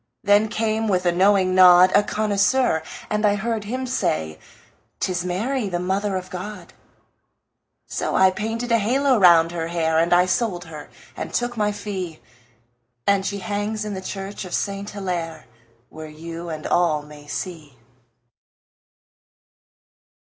Then came, with a knowing nod, A connoisseur, and I heard him say; "'Tis Mary, the Mother of God." So I painted a halo round her hair, And I sold her and took my fee, And she hangs in the church of Saint Hillaire, Where you and all may see.